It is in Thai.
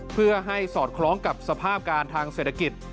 เพื่อให้สอดคล้องกับสภาพการทางเศรษฐกิจ